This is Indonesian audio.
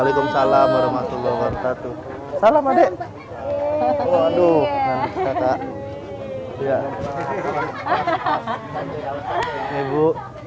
siap ada ya hai hai bu